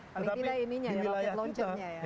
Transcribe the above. paling tidak ini nya ya rocket launcher nya